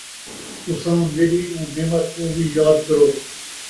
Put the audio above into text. تُساں میݙی اوں نعمت کوں وِی یاد کرو،